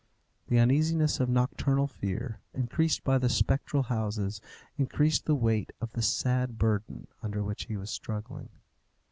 The uneasiness of nocturnal fear, increased by the spectral houses, increased the weight of the sad burden under which he was struggling.